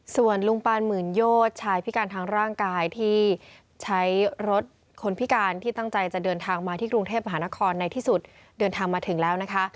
ส่วนลุงปานหมื่นโยชชายพิการทางร่างกายที่ใช้รถคนพิการที่ตั้งใจจะเดินทางมาที่กรุงเทพมหานครในที่สุดเดินทางมาถึงแล้วนะคะ